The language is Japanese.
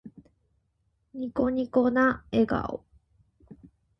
ニコニコな笑顔。